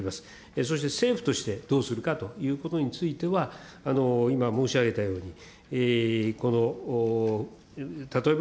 そして政府としてどうするかということについては、今申し上げたように、この例えば、